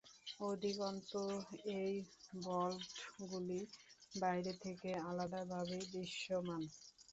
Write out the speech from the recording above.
অধিকন্তু এ ভল্টগুলি বাইরে থেকে আলাদাভাবেই দৃশ্যমান।